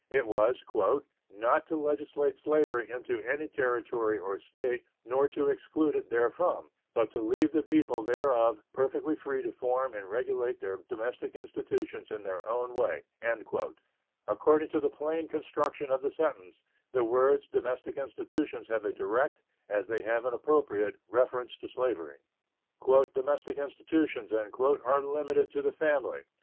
It was "not to legislate slavery into any Territory or State, nor to exclude it therefrom, but to leave the people thereof perfectly free to form and regulate their domestic institutions in their own way." According to the plain construction of the sentence, the words "domestic institutions" have a direct, as they have an appropriate, reference to slavery. "Domestic institutions" are limited to the family.